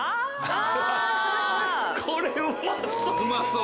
これうまそう。